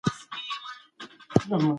شپه تېره وه خو د ده په سترګو کې لا وېښه وه.